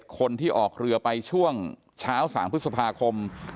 คนที่ออกเรือไปช่วงเช้า๓พฤษภาคม